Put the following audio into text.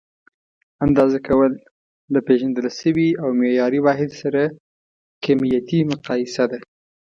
اندازه کول: له پېژندل شوي او معیاري واحد سره کمیتي مقایسه ده.